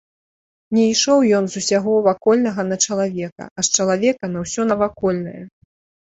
Не ішоў ён з усяго вакольнага на чалавека, а з чалавека на ўсё навакольнае.